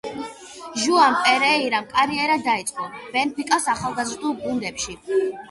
ჟუან პერეირამ კარიერა დაიწყო „ბენფიკას“ ახალგაზრდულ გუნდებში.